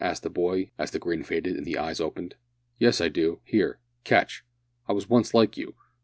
asked the boy, as the grin faded and the eyes opened. "Yes, I do. Here, catch. I was once like you.